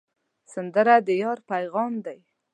سندره د یار پیغام دی